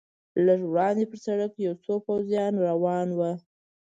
لږ وړاندې پر سړک یو څو پوځیان را روان و.